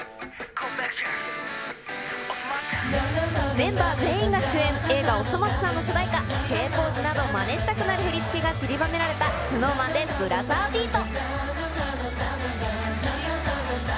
メンバー全員が主演映画、おそ松さんの主題歌、しぇーポーズなど、まねしたくなるポーズがちりばめられたＳｎｏｗＭａｎでブラザービート。